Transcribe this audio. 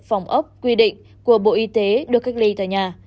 phòng ốc quy định của bộ y tế được cách ly tại nhà